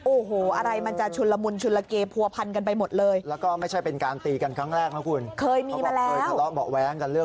โอ้โหอะไรมันจะชุนละมุนชุนละเก